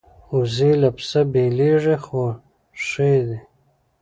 وزې له پسه بېلېږي خو ښې دي